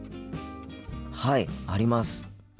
はいあります。